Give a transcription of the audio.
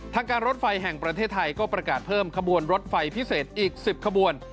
ทางการรถไฟแห่งประเทศไทยก็ประกาศเพิ่มขบวนรถไฟพิเศษอีก๑๐ขบวน